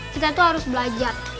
kita tuh harus belajar